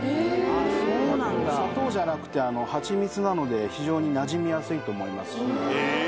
あと砂糖じゃなくてはちみつなので非常になじみやすいと思いますし。